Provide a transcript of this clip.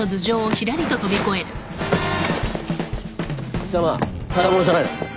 貴様ただ者じゃないな